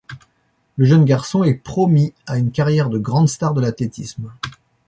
Le jeune garçon est promis à une carrière de grande star de l'athlétisme.